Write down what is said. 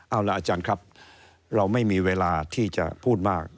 เอาละอาจารย์ครับเราไม่มีเวลาที่จะพูดมาก